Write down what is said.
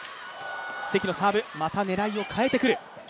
関のサーブ、また狙いを変えてくる。